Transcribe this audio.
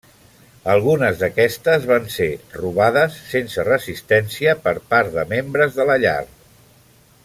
Algunes d'aquestes van ser robades sense resistència per part de membres de la llar.